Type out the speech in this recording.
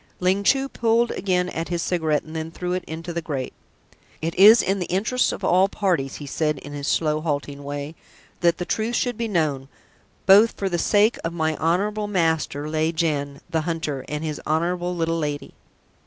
Ling Chu pulled again at his cigarette and then threw it into the grate. "It is in the interests of all parties," he said in his slow, halting way, "that the truth should be known, both for the sake of my honourable master, Lieh Jen, the Hunter, and his honourable Little Lady."